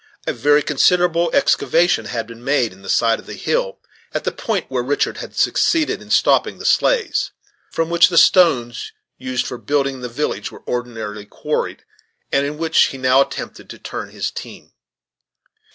A very considerable excavation had been made in the side of the hill, at the point where Richard had succeeded in stopping the sleighs, from which the stones used for building in the village were ordinarily quarried, and in which he now attempted to turn his team.